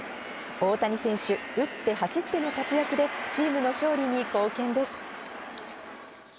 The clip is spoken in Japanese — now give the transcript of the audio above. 大谷選手、打って走っての活躍で、チームの勝利に貢献です。